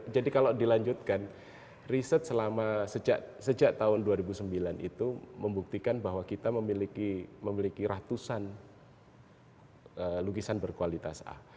jadi kalau dilanjutkan riset sejak tahun dua ribu sembilan itu membuktikan bahwa kita memiliki ratusan lukisan berkualitas a